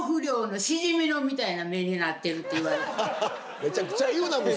めちゃくちゃ言うな息子。